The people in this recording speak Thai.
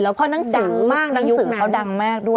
เพราะนางดังมากหนังสือเขาดังมากด้วย